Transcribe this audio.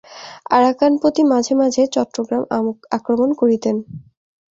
আরাকানপতি মাঝে মাঝে চট্টগ্রাম আক্রমণ করিতেন।